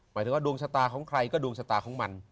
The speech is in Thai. หมายถึงว่าดวงชะตาของใครก็ดวงชะตาของมัน